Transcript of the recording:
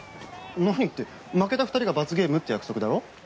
何って負けた２人が罰ゲームって約束だろ？